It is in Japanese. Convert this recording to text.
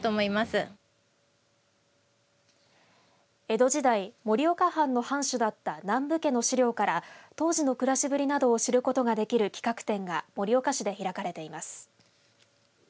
江戸時代、盛岡藩の藩主だった南部家の資料から当時の暮らしぶりなどを知ることができる企画展が盛岡市で開かれています。